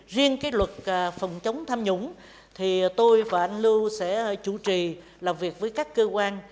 riêng cái luật phòng chống tham nhũng thì tôi và anh lưu sẽ chủ trì làm việc với các cơ quan